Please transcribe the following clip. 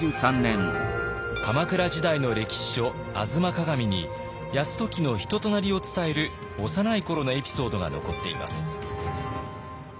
鎌倉時代の歴史書「吾妻鏡」に泰時の人となりを伝える幼い頃のエピソードが残っています。